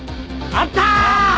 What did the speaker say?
あった！